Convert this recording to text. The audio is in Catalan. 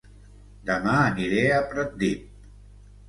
Dema aniré a Pratdip